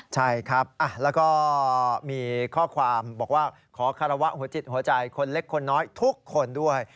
ใช่ครับแล้วก็มีข้อความบอกว่าขอคารวะหัวจิตหัวใจคนเล็กคนน้อยทุกคนด้วย